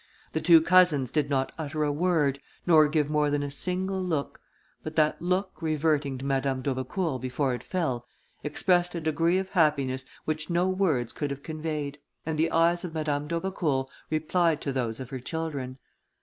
The two cousins did not utter a word, nor give more than a single look, but that look reverting to Madame d'Aubecourt before it fell, expressed a degree of happiness which no words could have conveyed, and the eyes of Madame d'Aubecourt replied to those of her children.